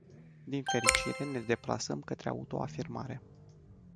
Din fericire, ne deplasăm către auto-afirmare.